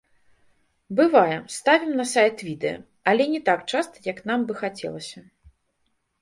Бывае, ставім на сайт відэа, але не так часта, як нам бы хацелася.